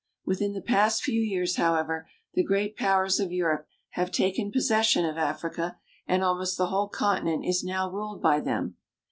Within the past few years, however, the great powers of Europe have taken possession of Africa, and almost the whole continent is now ruled by them.